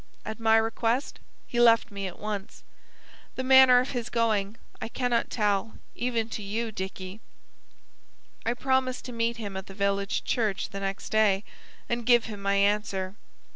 At my request he left me at once. The manner of his going I cannot tell, even to you, Dicky. I promised to meet him at the village church next day and give him my answer.